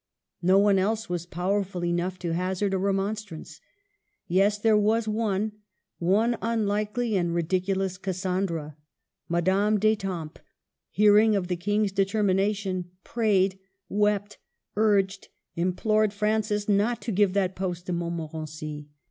No one else was powerful enough to hazard a remonstrance. Yes ; there was one — one unlikely and ridiculous Cassandra. Madame d'Etampes, hearing of the King's determina tion, prayed, wept, urged, implored Francis not to give that post to Montmorency.